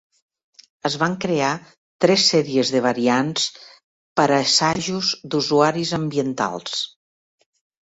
Es van crear tres sèries de variants per a "Assajos d'usuaris ambientals".